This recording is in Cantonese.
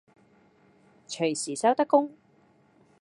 隨時收得工